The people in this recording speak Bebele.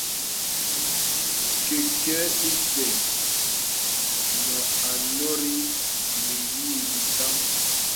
Kɛkɛ̄ isɛ̂ mə anɔ̀rì mə̀yìì ìtām.